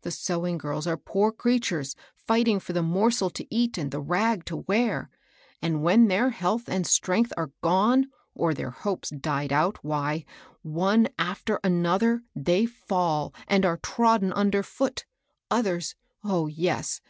The sewing girls are poor creatures fighting THE OU) BOOTS. 185 for the morsel to eat and the rag to wear ; and when their health and strength are gone, or thehr hopes died out, why, one after another, they fall, and are trodden nnder foot; others — oh, yes!